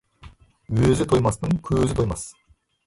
Өзі тоймастың көзі тоймас.